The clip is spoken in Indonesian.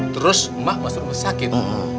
terus emak masuk rumah sakit